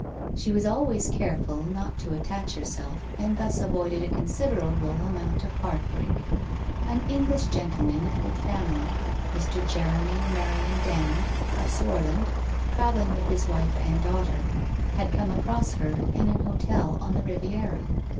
She was al ways careful not to attach herself, and thus avoided a considerable amount of heart break. An English gentle man of good family, Mr. Jeremy Morion Dand, of Swar land, travelling with his wife and daughter, had come across her in an hotel on the Riviera.